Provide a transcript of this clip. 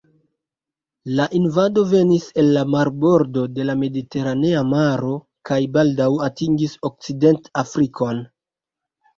La invado venis el la marbordo de la Mediteranea maro kaj baldaŭ atingis Okcident-Afrikon.